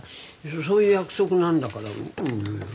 そういう約束なんだからいいのよ。